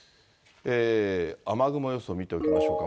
雨雲予想を見ておきましょうか。